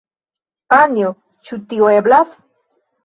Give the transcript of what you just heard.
Panjo, ĉu tio eblas?